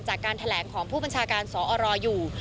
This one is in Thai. จากการแถลงของผู้บัญชาการสอรอยู่